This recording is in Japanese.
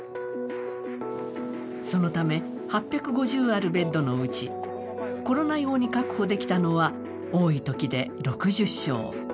そのため、８５０あるベッドのうち、コロナ用に確保できたのは多いときで６０床。